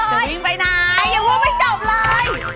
จะริ่งไปไหนอย่าว่าไม่จบเลย